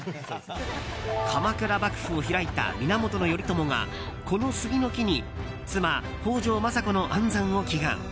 鎌倉幕府を開いた源頼朝がこの杉の木に妻・北条政子の安産を祈願。